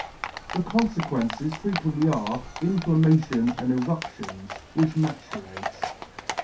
The confequences frequently are, inflamma tion and eruptions, which maturate.